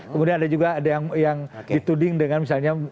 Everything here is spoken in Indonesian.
kemudian ada juga ada yang dituding dengan misalnya